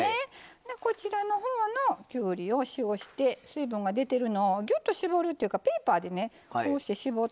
こちらの方のきゅうりを塩して水分が出てるのをギュッと絞るというかペーパーでこうして絞ってもらって。